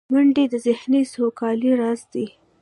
منډه د ذهني سوکالۍ راز دی